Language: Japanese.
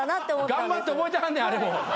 頑張って覚えてはんねんあれも。